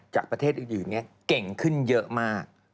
จากประเทศอื่นเก่งขึ้นเยอะมาก